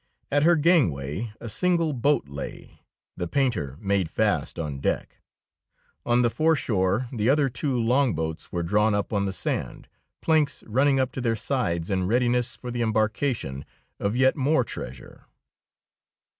At her gangway a single boat lay, the painter made fast on deck; on the foreshore the other two long boats were drawn up on the sand, planks running up to their sides in readiness for the embarkation of yet more treasure.